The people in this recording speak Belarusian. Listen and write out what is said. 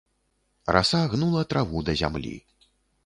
Раса гнула траву да зямлі.